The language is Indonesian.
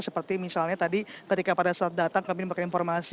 seperti misalnya tadi ketika pada saat datang kami mendapatkan informasi